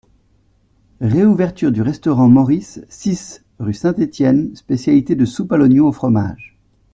Réouverture du Restaurant Maurice, six, rue St-Etienne, spécialité de soupe à l'oignon, au fromage.